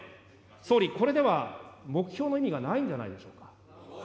総理、これでは目標の意味がないんじゃないでしょうか。